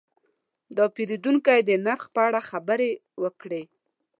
دا پیرودونکی د نرخ په اړه خبرې وکړې.